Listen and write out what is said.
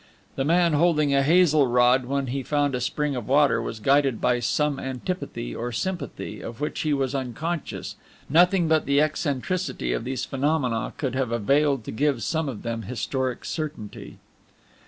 The man holding a hazel rod when he found a spring of water was guided by some antipathy or sympathy of which he was unconscious; nothing but the eccentricity of these phenomena could have availed to give some of them historic certainty.